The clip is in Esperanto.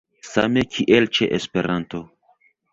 Same kiel ĉe Esperanto.